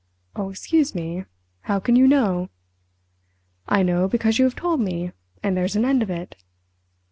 "Oh, excuse me—how can you know?" "I know because you have told me, and there's an end of it.